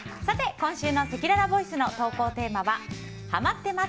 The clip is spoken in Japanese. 今週のせきららボイスの投稿テーマはハマってます！